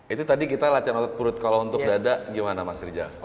itu tadi kita latihan otot perut kalau untuk dada gimana mas rizal